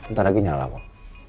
ntar lagi nyala kok